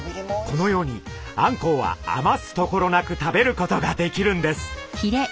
このようにあんこうは余すところなく食べることができるんです。